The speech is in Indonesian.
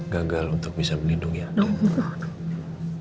gagal untuk bisa melindungi anak